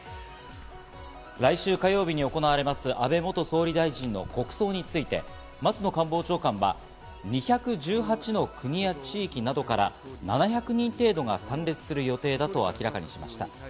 来週火曜日に行われます、安倍元総理大臣の国葬について、松野官房長官は２１８の国や地域などから７００人程度が参列する予定だと明らかにしました。